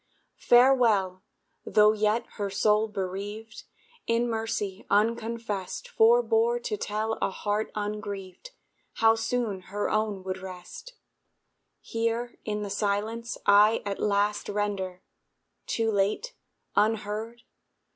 Farewell tho' yet her soul bereaved, In mercy unconfessed Forbore to tell a heart ungrieved How soon her own would rest Here in the silence, I at last Render (too late? unheard?)